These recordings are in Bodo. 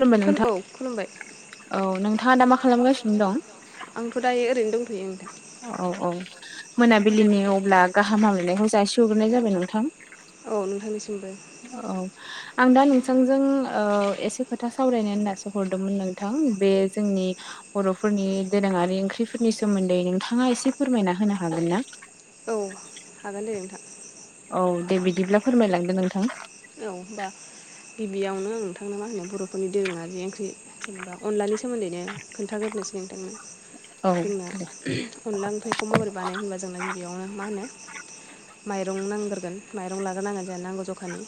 खुलुमबाय खोन नोंथां औ खुलुमबाय औ नोंथांङा दा मा खालामगासिनो दं। आंथ' दायो ओरैनो दंथयो नोंथां औ औ मोनाबिलिनि अब्ला गाहाम हामलायनायखौ जासि हग्रोनाय जाबाय नोंथां औ नोंथांनिसिमबो औ आं दा नोंथांजों ओ एसे खोथा सावरायनो होननासो हरदोंमोन नोंथां बे जोंनि बर'फोरनि दोरोंङारि ओंख्रिफोरनि सोमोन्दै नोंथांङा एसे फोरमायना होनो हागोन ना? औ हागोन दे नोंथां औ दे बिदिब्ला फोरमायलांदो नोंथां औ होमबा गिबियावनो नोंथांनो मा होनो बर'फोरनि दोरोंङारि ओंख्रि जेनेबा अनलानि सोमोन्दैनो खोन्थागोरोनोसै नोंथांनो औ जोंना अनला ओंख्रिखौ माबोरै बानायो होनबा जोंना बेबियावनो मा होनो माइरं नांग्रोगोन माइरं लाग्रोनांगोन जोंहा नांगौ जखानि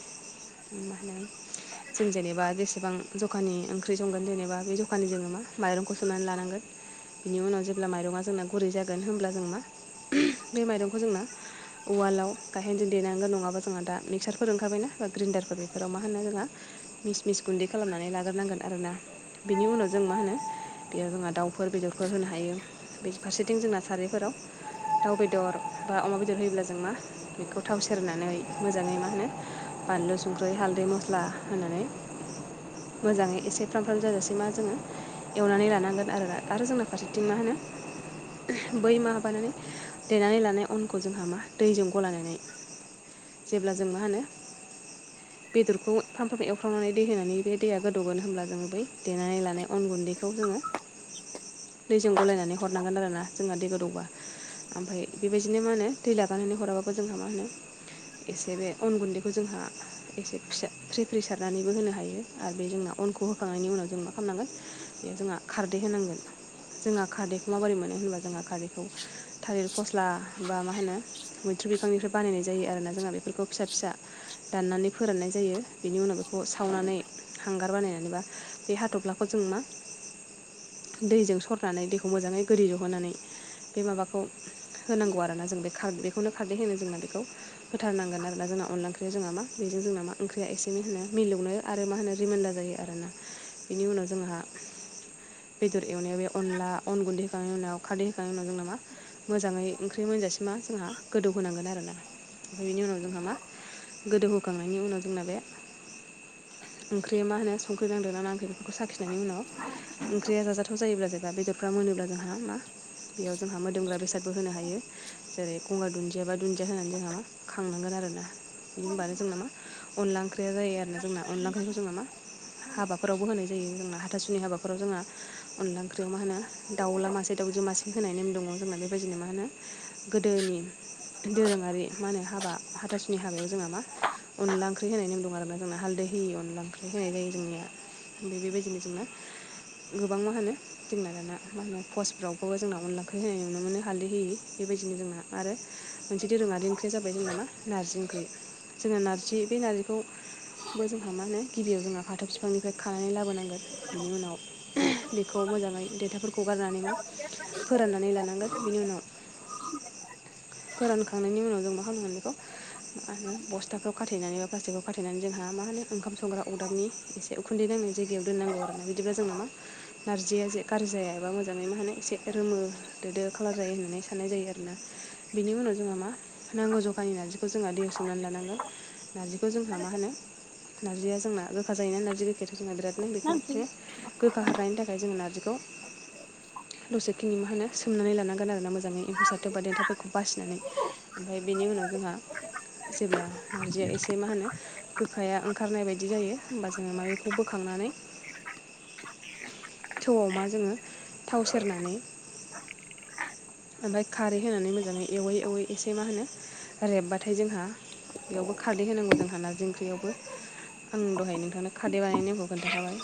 [inaudible] जों जेनेबा जेसेबां जखानि ओंख्रि संगोन जेनेबा बे जखानि जोंङो मा माइरंखौ सोमनानै लानांगोन। बिनि उनाव जेब्ला माइरंङा जोंना गुरै जागोन होनोमब्ला जों मा बे माइरंखौ जोंना उवालाव गाहेनजों देनांगोन नंङाबा जोंहा दा मिक्सारफोर ओंखारबायना बा ग्रिन्डारफोर बेफोराव मा होनो जोंङो मिस मिस गुन्दै खालामनानै लाग्रोनांगोन आरो ना बिनि उनाव जों मा होनो बेयाव जोंहा दाउफोर बेदरफोर होनो हायो। बे फारसेथिं जोंना सारायफोराव दाउ बेदर बा अमा बेदर होयोब्ला जों मा बेखौ थाव सेरनानै मोजांङै मा होनो बानलु संख्रि हालदै मस्ला होनानै मोजांङै एसे फ्राम फ्राम जानोसै मा जोंङो एवनानै लानांगोन आरो आरो जोंना फारसेथिं मा होनो बै मा माबानानै देनानै लानाय अनखौ जोंहा मा दैजों गलायनानै जेब्ला जों मा होनो बेदरखौ फामफ्राम एवफ्रावनानै दै होनानै बे दैया गोदौगोन होनब्ला जोंङो बै देनानै लानाय अन गुन्दैखौ जोंङो। दैजों गलायनानै हरनांगोन आरोना जोंहा दै गोदौबा ओमफ्राय बेबायदिनो मा होनो दै लागानानै हराबाबो जोंहा मा होनो एसे बे अन गुन्दैखौ जोंहा एसे फिसा फ्रि फ्रि सारनानैबो होनो हायो आरो बे जोंना अनखौ होखांनायनि उनाव जों मा खामनांगोन बे जोंहा खारदै होनांगोन जोंहा खारदैखौ माबोरै मोनो होनबा जोंहा खारैखौ थालिर फस्ला बा मा होनो मैथ्रु बिफांनिफ्राय बानायनाय जायो आरोना जोंहा बेफोरखौ फिसा फिसा दाननानै फोराननाय जायो बिनि उनाव बेखौ सावनानै हांगार बानायनानैबा बे हाथब्लाखौ जों मा दैजों सरनानै दैखौ मोजाङै गोरि जहोनानै बे माबाखौ होनांगौ आरो ना जों बे खार बेखौनो खार्दै होनो जोंना बेखौ होथारनांगोन आरो ना जोंना अनला ओं जोंहा मा बेजों जोंना मा ओंख्रिया एसे होनो मिलौनो आरो मा होनो रिमाइडार जायो आरोना बेनि उनाव जोंहा बेदर एवनायाव बे अनला अन गुन्दै होखांनायनि उनाव खारदै होखांनायनि उनाव जों नामा मोजाङै ओंख्रि मोनजासिम मा जोंहा गोदौ होनोनांगोन आरो ना बेनि उनाव जोंहा मा गोदौहखांनायनि उनाव जोंना बे ओंख्रिया मा होनो संख्रि नांदोंना नांङाखै बेखौ साखिनायनि उनाव ओंख्रिया जाजाथाव जायोब्ला जेबा बेदरफ्रा मोनोब्ला जोंहा मा बेयाव जोंहा मोदोमग्रा बेसादबो होनो हायो। जेरै गंगार दुन्दियाबा दुन्दिया होनानै जोंहा मा खांनांगोन आरो ना। बिदि होनबानो जोंना मा अनला ओंख्रिया जायो आरो ना जोंना अनला ओंख्रिखौ जोंना ना मा हाबाफोरावबो होनाय जायो जोंना हाथासुनि हाबाफोराव जोंहा अनला ओंख्रियाव मा होनो दाउला मासे दाउजो मासे होनाय नेम दङ जोंना बेबायदिनो मा होनो गोदोनि दोरोङारि मा होनो हाबा हाथासुनि हाबायाव जोंहा मा अनला ओंख्रि होनाय नेम दं आरोना जोंना हालदै होयि अनदला ओंख्रि होनाय जायो जोंनिया। मफ्राय बेबायदिनो जोना गोबां मा होनो जोंना दाना मा होनो पसफ्रावबो जोंना अनला ओंख्रै होनाय नुनो मोनो हालदै होयि बेबायदिनो जोंना आरो मोनसे दोरोङारि ओंख्रिया जाबाय जों नामा नारजि ओंख्रि। जोङो नारजि बे नारजिखौ बो जोंहा मा होनो गिबियाव जोंहा फाथो बिफांनिफ्राय खानानै लाबोनांगोन बिनि उनाव बेखौ मोजाङै देथाफोरखौ गारनानै मा फोराननानै लानांगोन बिनि उनाव फोरानखांनायनि उनाव जों खामोन बेखौ आरो बस्थाखौ खाथेनानै बा प्लास्टिकखौ खाथेनानै जोंहा मा होनो ओंखाम संग्रा अरदाबनि एसे उखुन्दै नांनाय जायगायाव दोननांगौ आरो ना बिदिबब्ला जों नामा नारजिया जे गाज्रि जायाबा मोजाङै मा होन एसे रोमो दोदो खालार जायो होननानै साननाय जायो आरोना। बिनि उनाव जोंहा मा नांगौ जखानि नारजिखौ जोंहा दैआव मनानै लानांगौ नारजिखौ जोंहा मा होनो नारजिया जोंना रोखा जायोना नारजि गैखेर जोंहा बिरादनो दे बेखायनो गोखा हारानायनि थाखाय जोङो नारजिखौ दसेखिनि मा होनो सोमनानै लानांगोन आरोना मोजाङै एम्फौ सारथोब बा देन्थाफोरखौ बासिनानै। ओमफ्राय बेनि उनाव जोंहा जेब्ला नारजिया एसे मा होनो गोखाया ओंखारनाय बायदि जायो होमबा जोङो माबेखौ बोखांनानै थौआव मा जोङो थाव सेरनानै ओमफ्राय खारै होनानै मोजाङै एवै एवै एसे मा होनो रेबबाथाय जोंहा बेयावबो खारदै होनांगौ जोंहा नारजि ओंख्रियावबो। आं दहाय नोंथांनो खारदै बानायनायखौ खोन्थाखाबाय।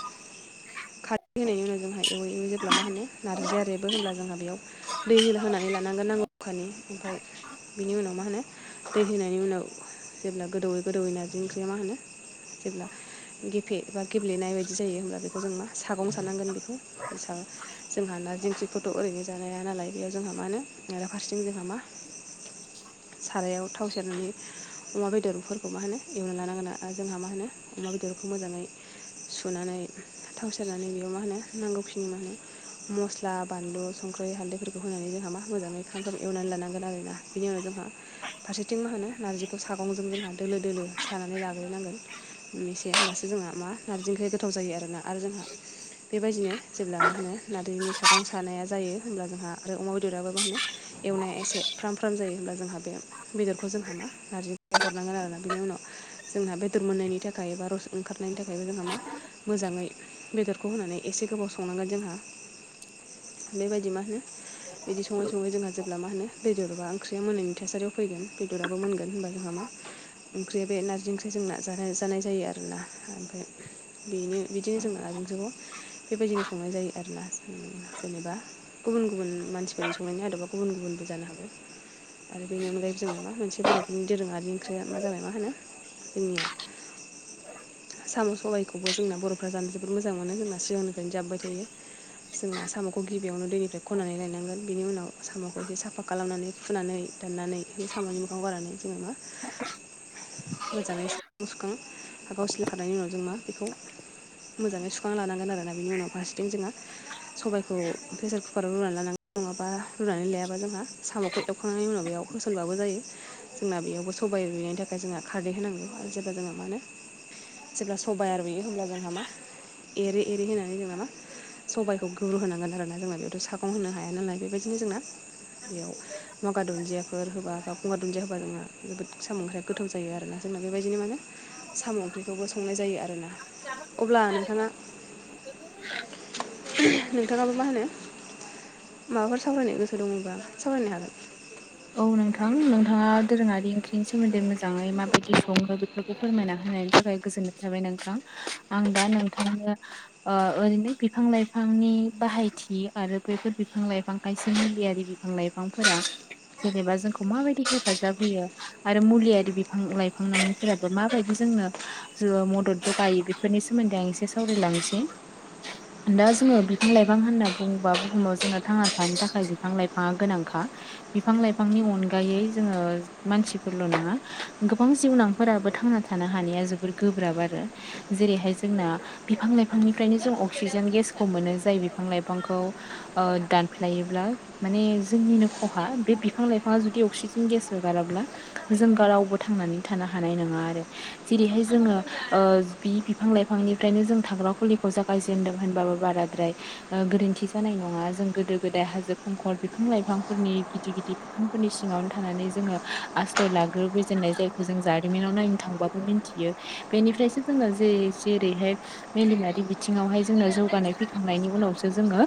खारदै होननि उनाव जोंहा एव एवो जेब्ला मा होनारजिया रेबो होनोमब्ला जोंहा बेयाव दै होनानै लानांगोन नांगौ अखानि ओमफ्राय बिनि उनाव मा होनो दै होनायनि उनाव जेब्ला गोदौयै गोदौै नारजि ओंख्रिया मा होनो जेब्ला गेफे बा गेब्लेनाय बायदि जायो होमब्ला बेखौ जों मा सागं साननांगोन बेखौ सा जोंहा ना दिंखखौथ' ओरैनो जानाय हा नालाय बेयाव जोंहा मा होनो [unintelligible] फारसेथिं जोंहा मा सारायाव थाव सेरनानि अमा बेदरफोरखौ मा होनो एवना लानांगोना आरो जोंहा मा होनो अमा बेदरखौ मोजाङै सुनानै थाव सेरनानै बेयाव मा होनो नांगौखिनि मा होनो मस्ला बानलु संख्रि हाल्दैफोरखौ होनानै जोंहा मा मोजाङै फ्रामाम एवनानै लानांगोन आर ना। बिनि उनाव जोंहा फारसेथिं मा होनो नार्जिखौ सागंजों जोंहा दोलो दोलो सानानै लाग्रनांगोन। एसे होनोमबासो जोंहा मा नारजि ओंख्रि गोथाव जायो आरोना आरो जोंहा बेबायदिनो जेब्ला मा होनो नारजिनि सागं सानाया जायो हब्ला जोंहा आरो अमा बेदराबो मा होनो एवनाया एसे फ्राम फ्राम जायो होनब्ला जोंहा बे बेदरखौ जोंहा मा नारजि हरनांगोन आरोना बिनि उनाव जोंना बेदर मोननायनि थाखाय एबा रस ओंखारनायनि थाखायबो जोंहा मा मोजाङै बेदरखौ होनानै एसे गोबाव संनांगोन जोंहा। बेबायदि मा होनो बिदि सङै सङै जोंहा जेब्ला मा होनो बेदरा ओंख्रिया मोननायनि थासारियाव फैगोन बेदराबो मोनग गोन होनबा जोंहा मा ओंख्रिया बे नारजि ओंख्रि जोंना जानाय जानाय जायो आरोना। ओमफ्राय बेनो बिदिनो जोंङो नेंजोगखौ बेबायदिनो संनाय जायो आरोना। जेनेबा गुबुन-गुबुन मानसिफोरनि संनायनि आदबा गुबुन-गुबुनबो जानो हागौ। आरो बेनि अनगायै जोङ मा मोनसे बर' नि दोरोङारि ओंख्रिया मा जाबाय मा होनो जोंनिया। साम' सबायखौबो जोंना बर'फ्रा जानो जोब‌ बोद मोजां मोनो जोंना सिगांनिफ्रायनो जाबोबाय थायो जोंना साम'खौ गि बेयावनो दैनिफ्राय खननानै लायनांगोन बिनि उनाव साम'खौ एसे साफा खालामनानै हुनानै दाननानै बि साम'नि मोखं गारनानै जोङो मा [inaudible] मोजाङै सुखां-सुखां बा गावसलिखानायनि उनाव जों मा बेखौ मोजाङै सुखाना लानांगोन आरोना बिनि उनाव फारसेथिं जोंङो सबायखौ प्रेसार कुकाराव रुनानै लानां नङाबा रुनानै लायाबा जोंहा साम'खौ एवखांनायनि उनाव बेयाव होसनबाबो जायो। जोंना बेयावबो सबाइ रुइनायनि थाखाय जोंहा खारदै होनांगौ आरो जेब्ला जोहा माने जेब्ला सबायाइया रूयो होमब्ला जोंहा मा एरै-एरै होनानै जोंहा मा सबायखौ गुब्रुहोनांगोन आरोना जोंना बेयावथ' सागं होनो हाया नालाय बेबायदिनो जोंना। बेयाव मगा दुन्दियाफोर होबा बा गंगार दुन्दिया हो बा जोंना जोबोद साम ओंख्रैया गोथाव जायो आरो ना जोंना बेबायदिनो माने साम' ओंख्रिखौबो संनाय जायो आरो ना। अब्ला नोंथाङा [unintelligible] नोंथाङाबो मा होनो माबाफोर सावरायनो गोसो दङबा सावरायनो हागोन। औ नोंथां नोंथाङा दोरोङारि ओंख्रिनि सोमोन्दै मोजाङै माबायदि सङो बेफोर खौ फोरमायना होनायनि थाखाय गोजोननाय थाबाय नोंथां आं दा नोंथांनो ओ ओरैनो बिफां लाइफांनि बाहायथि आरो बेफोर बिफां लाइफां खायसे मुलियारि बि बिफां लाइफांफोरा जेनेबा जोंखौ माबायदि हेफाजाब होयो। आरो मुलियारि बिफां लाइफां [inaudible] फोराबो माबायदि जोंनो जो मदद जगायो बेफोरनि सोमोन्दै आं एसे सावरायलांनोसै। दा जोङो बिफां लाइफां होनना बुंङोबा बुहुमाव जोंना थांना थानो थाखाय बिफां लाइफाङा गोनांखा। बिफां लाइफांनि अनगायै जोङो मानसिफोरल' नङा गोबां जिउनां फोराबो थांना थानो हानाया जोबोर गोब्राब आरो जेरैहाय जोंना बिफां लाइफांनिफ्रायनो जों अक्सिजेन गेसखौ मोनो जाय बिफां लाइफांखौ ओ दानफ्लायोब्ला माने जोंनिनो खहा। बे बिफां लाइफाङा जुदि अक्सिजेन गेस होगाराब्ला जों रावबो थांनानै थानो हानाय नङा आरो। जेरैहाय जोङो ओ बि बिफां लाइफांनिफ्रायनो जों थाग्रा खुलिखौ जों गायजेन्दों होनबाबो बाराद्राय ओ गोरोन्थि जानाय नङा जों गोदो गोदाय हाजो खुंखर बिफां लाइफांफोरनि गिदिर-गिदिर बिफांफोरनि सिङावनो थानानै जोङो आश्रय लाग्रोबोजेननाय जायखौ जों जारिमिनाव नायनो थांबा मिन्थियो बेनिफ्रायसो जोङो जे-जेरैहाय मेलेमारि बिथिङावहाय जोंनो जौगानाय फैखांनायनि उनावसो जोङो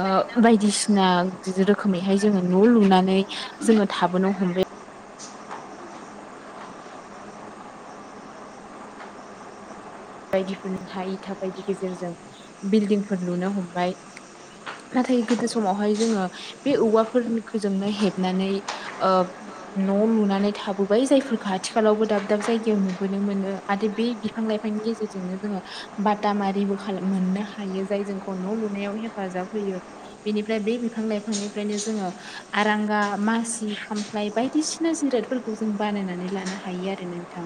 ओ बायदिसिना गिदिर रोखोमैहाय जोङो न' लुनानै जोङो थाबोनो हमबाय। बायदिफोरनि हाय इथा बायदि गेजेरजों बिल्डिंफोर लुनो हमबाय। नाथाय गोदो समावहाय जोङो बे औवाफोर खो जोंनो हेबनानै ओ। न' लुनानै थाबोबाय जायफोरखौ आथिखालावबो दाब-दाब जायगायाव नुबोनो मोनो आरो बे बिफां लाइ फांनि गेजेरजोंनो जोङो बाटाम आरिबो मोननो हायो जाय जोंखौ न' लुनायाव हेफाजाब होयो। बेनिफ्राय बे बिफां लाइफांनिफ्रायनो जोङो आरांगा मासि खाम फ्लाय बायदिसिना जिरादफोरखौ जों बानायनानै लानो हायो आरो नोंथां।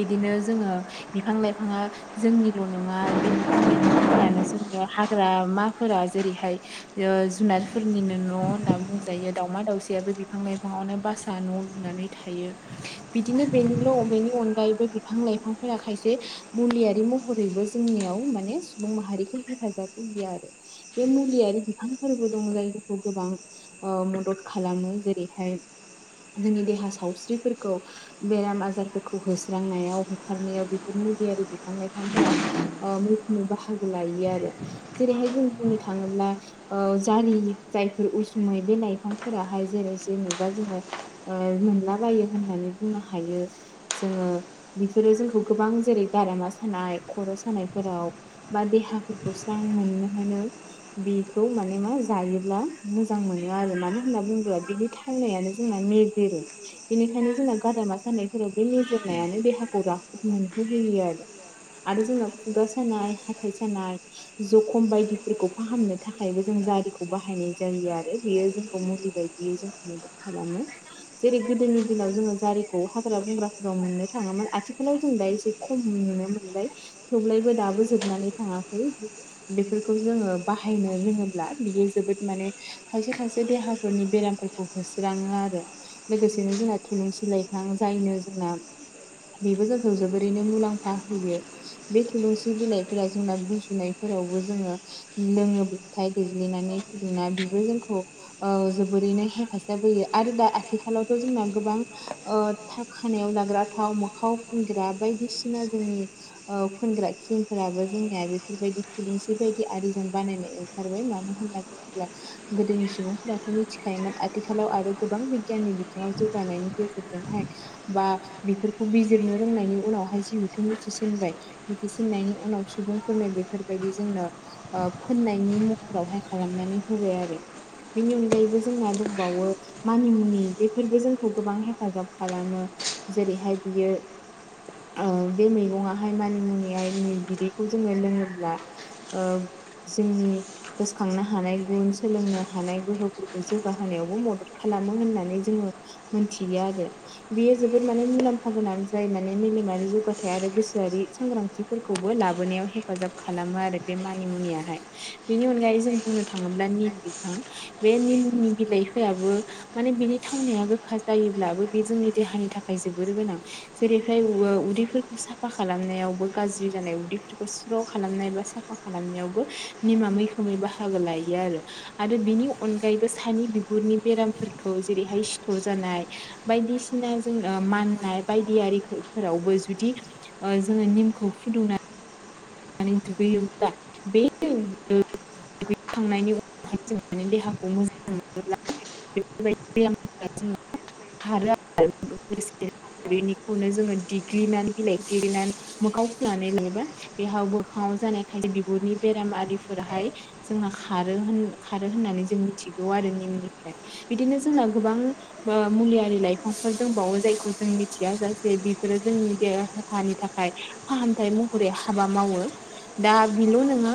बिदिनो जोङो बिफां लाइफाङा जोंनिल' नङा बे बिफां लाइफांफोरानो जोंनो हाग्रामाफोरा जेरैहाय ओ जुनारफोरनिनो न' होनना बुंजायो दावमा दाउसायाबो बिफां लाइफाङावनो बासा न' लुनानै जायों बिदिनो बेनिल' बेनि अनगायैबो बिफां लाइफांफोरा खाय जे मुलियारि महरैबो जोंनियाव माने सुबुं माहारिखौ हेफाजाब होलिया आरो। बे मुलियारि बिफांफोरबो दङ जायखौ गोबां औ मदद खालामो जेरैहाय जोंनि देहा सावस्रिफोरखौ बेराम आजारफोरखौ होस्रांनायाव होखारनायाव मुलियारि बिफां लाइफांफोरा मैखोमै बाहागो लायो आरो। जेरैहाय जों बुंनो थाङोब्ला ओ जारि जायफोर उसुमै बे लाइफांफोराहाय जेरै जेनेबा जोंङो ओ मोनलाबायो होननानै बुंनो हायो जोंङो बिफोरो जोंखौ गोबां जेरै गारामा सानाय खर' सानायफोराव बा देहाफोरखौ स्रां मोननो मोनो। बेखौ माने मा जायोब्ला मोजां मोनो आरो मानो होनना बुङोब्ला बिनि थाखायनो जोंना मेजेरो बेनिखायनो जोंना गारमा सानाय मेजोर‌नाया नो देहाखौ रा मोन होयो आरो आरो जोंना खुगा सानाय हाथाय सानाय जखम बायदिफोरखौ फाहामनो था खायबो जों जारिखौ बाहायनाय जायो आरो बेयो जोंखौ मुलि बायदियै जोंखौ मदद खालामो। जेरै गोदोनि दिनाव जोंङो जारिखौ हाग्रा बंग्राफोराव मोननो थाङोमोन आथि खालाव जों दा एसे खम नुनो मोनबाय थेवब्लायबो दाबो जोबनानै थाङाखै बेफोरखौ जोंङो बाहायनो रोङोब्ला बियो जोबोद माने खायसे खायसे देहाफोरनि बेरामफोरखौ होस्राङो आरो लोगोसेनो जोंना थुलुंसि लाइफां जायनो जोंना बेबो जोंखौ जोबोरैनो मुलाम्फा होयो। बे थुलुंसि बिलाइफोरा जोंना गुजुनायफोरावबो जोङो लोङोब्लाथाय गोेग्लिनानै फुदुंना बेबो जोंखौ औ जोबोरैनो हेफाजाब होयो आरो दा आथिखालावथ' जोंना गोबां ओ था खानायाव लाग्रा थाव मोखाव फुनग्रा बायदिसिना जोंनि फोनग्रा किमफोराबो जोंनिया बेफोरबायदि थुलुंसि बायदि आरिजों बानायनाय ओंखारबाय मानो होनना गोदोनि सुबुंफोराथ' मिथिखायोमोन आथिखालाव आरो गोबां बिगियाननि बिथिंआव जौगानायनि गेजेरजोंहाय बा बेफोर खौ बिजिरनो रोंनायनि उनावहाय जिहेथु मिथिसिनबाय मिथिसिननायनि उनाव सुबुंफोरनो बेफोरबायदि जोंनो फोननायनि महरावहाय खालामनानै होबाय आरो। बेनि अनगायैबो जोंना दंबावो मानिमुनि बेफोरबो जोंखौ गोबां हेफाजाब खालामो जेरैहाय बियो ओ बे मैगं आ हाय मानि मुनि नै बिदैखौ जोंङो लोङोब्ला ओ जोंनि गोसोखांनो हानाय गुन सोलोंनो हानाय गोहोफोरखौ जौगाहोनायावबो मदद खालामो होननानै जोंङो मोनथिया आरो बेयो जोबोद माने मुलाम फा गोनां जाय माने मेलेमारि जौगाथाय आरो गोसोआरि सांग्रांथिफोरखौबो लाबोनायाव हेफाजाब खालामो आरो बे मानि मुनियाहाय। बेनि अनगायै जों बुंनो थाङोब्ला निम बिफां बे निमनि बिलाइ गोखायाबो माने बिनि थावनाया गोखा जायोब्लाबो बे जोंनि देहानि थाखाय जोबोर गोनां। जेरैहाय उदैफोरखौ साफा खालामनायावबो गाज्रि जानाय उदैफोरखौ स्र' खालामनाय बा सा बा खालामनायावबो निमा मैखोमै बाहागो लायो आरो आरो बिनि अनगायैबो सानि बि गुरनि बेरामफोरखौ जेरैहाय सिथर जानाय बायदिसिना जों माननाय बायदियारि फोरावबो जुदि ओ जोंङो निमखौ फुदुंना नै दुगैयोब्ला बे [unintelligible] दुगैखांनायनि उनावहाय जों माने देहाखौ मोजां मोनोब्ला [unintelligible] बेनिखौनो जोङो देग्लिनानै बिलाइ देग्लिनानै मोखां फुनानै लायोबा बेहाव बोखाङाव जानायखाय बिगुरनि बेरामिफोराहाय जोंना खारो होन खारो होननानै जों मिथिगौ आरो नेमनिफ्राय बिदिनो जोंना गोबां बा मुलियारि लाइफांफोर दंबावो जायखौ जों मिथिया जाासे बिफोरो जोंनि देहानि थाखाय फाहामथाय महरै हाबा मावो दा बेल' नङा